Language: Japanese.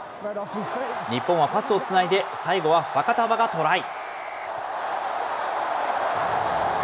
日本はパスをつないで、最後はファカタヴァがトライ。